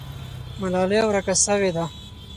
ملالۍ ورکه سوې ده.